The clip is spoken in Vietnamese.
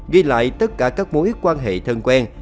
ghi lại tất cả các mối quan hệ thân quen